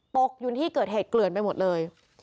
ตกอยู่ที่เกิดเหตุเกลื่อนไปหมดเลย